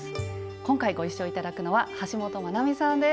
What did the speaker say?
今回ご一緒頂くのは橋本マナミさんです。